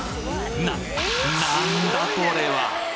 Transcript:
ななんだこれは？